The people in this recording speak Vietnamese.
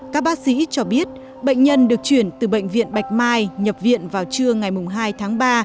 các bác sĩ cho biết bệnh nhân được chuyển từ bệnh viện bạch mai nhập viện vào trưa ngày hai tháng ba